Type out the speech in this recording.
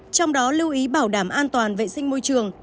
trong đó lưu ý bảo đảm an toàn vệ sinh môi trường